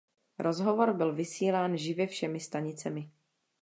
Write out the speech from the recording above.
Rozhovor byl vysílán živě všemi stanicemi.